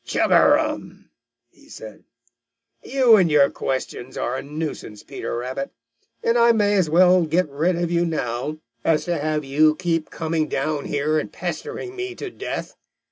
"Chug a rum!" said he. "You and your questions are a nuisance, Peter Rabbit, and I may as well get rid of you now as to have you keep coming down here and pestering me to death.